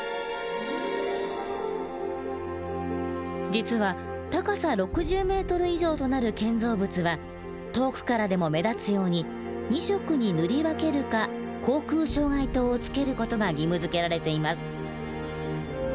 実は高さ６０ｍ以上となる建造物は遠くからでも目立つように２色に塗り分けるか航空障害灯をつける事が義務づけられています。